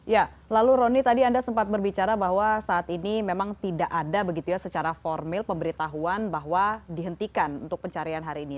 ya lalu rony tadi anda sempat berbicara bahwa saat ini memang tidak ada begitu ya secara formil pemberitahuan bahwa dihentikan untuk pencarian hari ini